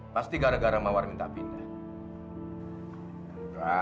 pasti gara gara mawar minta pindah